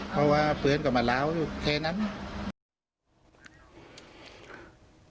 เพราะว่าเฟือนกลับมาแล้วแค่นั้น